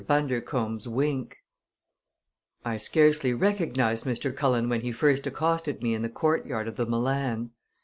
BUNDERCOMBE'S WINK I scarcely recognized Mr. Cullen when he first accosted me in the courtyard of the Milan.